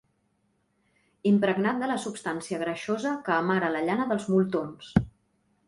Impregnat de la substància greixosa que amara la llana dels moltons.